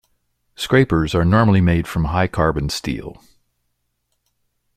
Scrapers are normally made from high carbon steel.